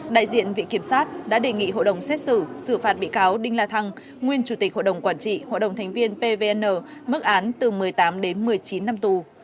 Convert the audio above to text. đại diện viện kiểm sát đã đề nghị hội đồng xét xử xử phạt bị cáo đinh la thăng nguyên chủ tịch hội đồng quản trị hội đồng thánh viên pvn mức án từ một mươi tám đến một mươi chín năm tù